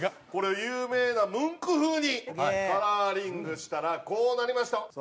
これを有名なムンク風にカラーリングしたらこうなりました。